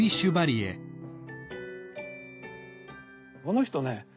この人ね